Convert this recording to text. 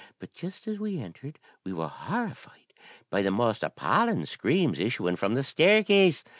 But just as we entered we were horrified by the most appalling screams issuing from the staircase.